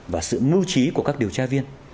và sự mưu trí của các điều tra viên